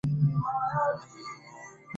বলির ছাগল মিলে গেছে উনার।